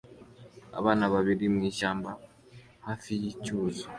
Abana babiri mwishyamba hafi yicyuzi